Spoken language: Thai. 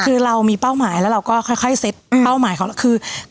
คือเรามีเป้าหมายแล้วเราก็ค่อยเซ็ตเป้าหมายของเราคือ